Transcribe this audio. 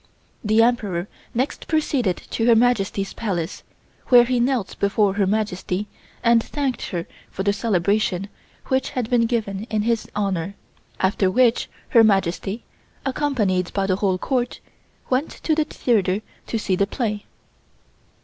The Emperor next proceeded to Her Majesty's Palace, where he knelt before Her Majesty and thanked her for the celebration which had been given in his honor, after which Her Majesty, accompanied by the whole Court, went to the theatre to see the play.